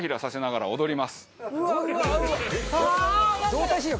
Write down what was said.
動体視力！